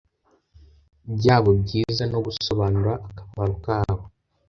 byabo byiza no gusobanura akamaro kabo.